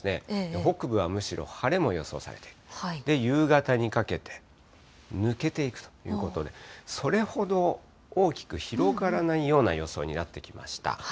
北部はむしろ晴れも予想されて、夕方にかけて、抜けていくということで、それほど大きく広がらないような予想になってきました。